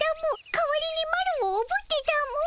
かわりにマロをおぶってたも。